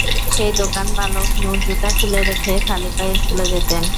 সেই দোকানে বালক নূর জুতা খুলে রেখে খালি পায়ে স্কুলে যেতেন।